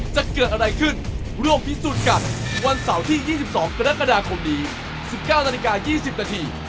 จะเกิดอะไรขึ้นร่วมพิสูจน์กันวันเสาร์ที่๒๒กรกฎาคมนี้๑๙นาฬิกา๒๐นาที